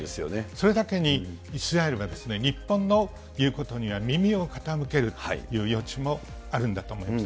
それだけにイスラエルが日本の言うことには耳を傾けるという余地もあるんだと思います。